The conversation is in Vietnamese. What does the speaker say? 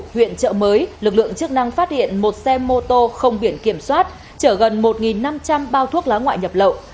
huyện trợ mới lực lượng chức năng phát hiện một xe mô tô không biển kiểm soát chở gần một năm trăm linh bao thuốc lá ngoại nhập lậu